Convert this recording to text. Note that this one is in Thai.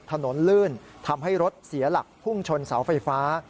ถนนลื่นทำให้รถเสียหลักพุ่งชนเสาไฟฟ้า